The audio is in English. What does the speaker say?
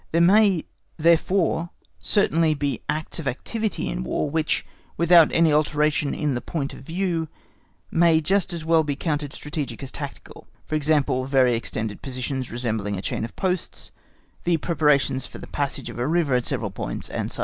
There may, therefore, certainly be acts of activity in War which, without any alteration in the point of view, may just as well be counted strategic as tactical; for example, very extended positions resembling a chain of posts, the preparations for the passage of a river at several points, &c.